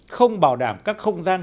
không bảo đảm các không gian